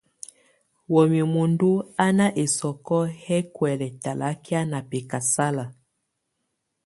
Wamɛ̀á muǝndù á nà ɛsɔkɔ̀ yɛ̀ kuɛ̀lɛ̀ talakɛ̀á nà bɛ̀kasala.